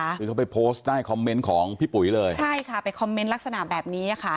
คือเขาไปโพสต์ใต้คอมเมนต์ของพี่ปุ๋ยเลยใช่ค่ะไปคอมเมนต์ลักษณะแบบนี้ค่ะ